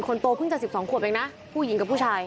คนโตเพิ่งจะ๑๒ขวบเองนะผู้หญิงกับผู้ชาย